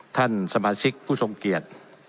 ท่านสมาชิกผู้ทรงเกียรติ